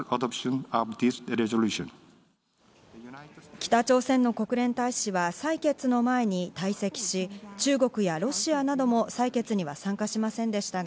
北朝鮮の国連大使は採決の前に退席し、中国やロシアなども採決には参加しませんでしたが、